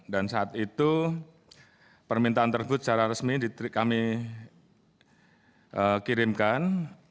dan saat itu permintaan terkut secara resmi kami kirimkan